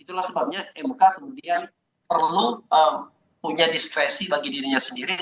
itulah sebabnya mk kemudian perlu punya diskresi bagi dirinya sendiri